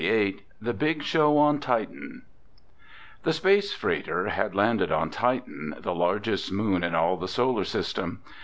THE BIG SHOW ON TITAN The space freighter had landed on Titan, the largest moon in all the Solar System.